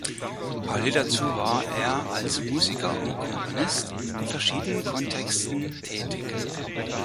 Parallel dazu war er als Musiker und Komponist in verschiedenen Kontexten tätig.